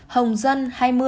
hồng dân hai mươi